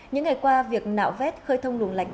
những ngày qua việc nạo vét khơi thông luồng lạch